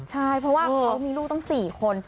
ใช่เพราะว่าเขามีลูกตั้ง๔คน